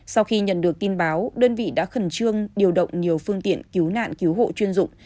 sau khi nhận được tin báo đơn vị đã khẩn trương điều động nhiều phương tiện cứu nạn cứu hộ chuyên dụng